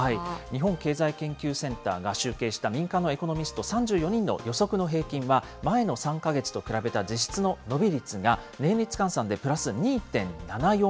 日本経済研究センターが集計した民間のエコノミスト３４人の予測の平均は、前の３か月と比べた実質の伸び率が、年率換算でプラス２．７４％。